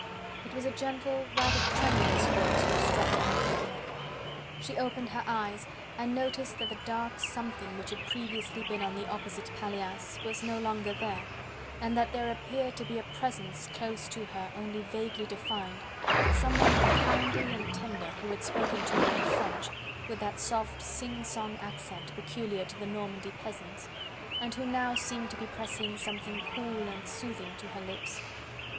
It was a gentle, rather tremulous voice which struck upon her ear. She opened her eyes, and noticed that the dark something which had previously been on the opposite paillasse was no longer there, and that there appeared to be a presence close to her only vaguely defined, someone kindly and tender who had spoken to her in French, with that soft sing song accent peculiar to the Normandy peasants, and who now seemed to be pressing something cool and soothing to her lips.